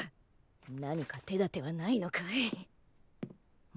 何か手立てはないのかい。